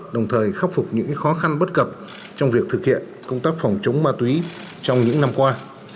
đồng thời khắc phục những khó khăn bất cập trong việc thực hiện công tác phòng chống ma túy trong những năm qua